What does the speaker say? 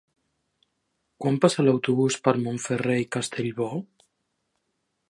Quan passa l'autobús per Montferrer i Castellbò?